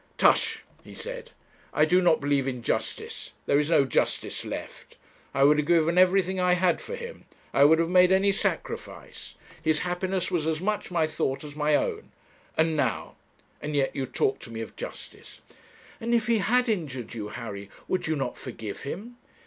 'Tush!' he said. 'I do not believe in justice; there is no justice left. I would have given everything I had for him. I would have made any sacrifice. His happiness was as much my thought as my own. And now and yet you talk to me of justice.' 'And if he had injured you, Harry, would you not forgive him?